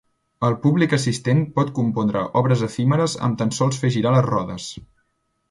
El públic assistent pot compondre obres efímeres amb tan sols fer girar les rodes.